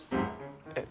えっ？